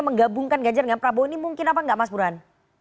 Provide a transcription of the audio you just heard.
menggabungkan ganjar dengan prabowo ini mungkin apa enggak mas burhan